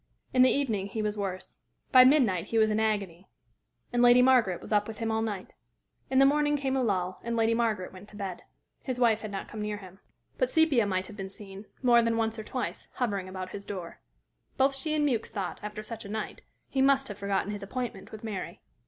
In the evening he was worse. By midnight he was in agony, and Lady Margaret was up with him all night. In the morning came a lull, and Lady Margaret went to bed. His wife had not come near him. But Sepia might have been seen, more than once or twice, hovering about his door. Both she and Mewks thought, after such a night, he must have forgotten his appointment with Mary.